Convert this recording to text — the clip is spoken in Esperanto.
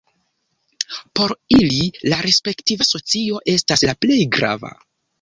Por ili la respektiva socio estas la plej grava.